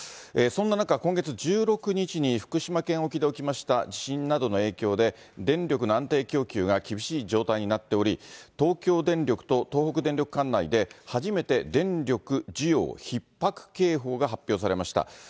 そんな中、今月１６日に福島県沖で起きました地震などの影響で、電力の安定供給が厳しい状態になっており、東京電力と東北電力管内で、初めて電力需要ひっ迫警報が発表されました。